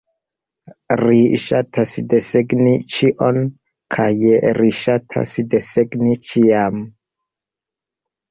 Ri ŝatas desegni ĉion, kaj ri ŝatas desegni ĉiam.